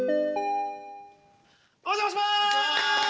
お邪魔します！